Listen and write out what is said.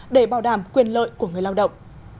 để bảo đảm quyền lợi của người lao động